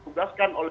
itu pasti selalu